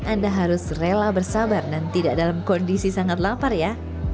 anda harus rela bersabar dan tidak dalam kondisi sangat lapar ya